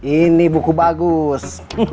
ini buku bagus